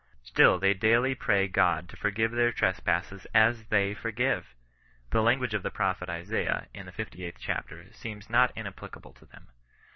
Still they daily pray God to forgive their tres passes as they forgive ! The language of l9ie prophet Isaiah, in his 58th chapter, seems not inapplicable to them.